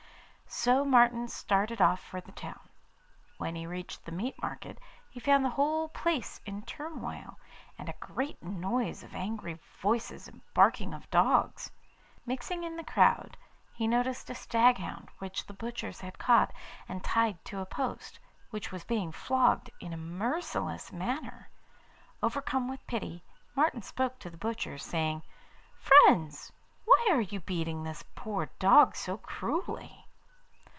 So Martin started off for the town. When he reached the meat market he found the whole place in turmoil, and a great noise of angry voices and barking of dogs. Mixing in the crowd, he noticed a stag hound which the butchers had caught and tied to a post, and which was being flogged in a merciless manner. Overcome with pity, Martin spoke to the butchers, saying: 'Friends, why are you beating the poor dog so cruelly?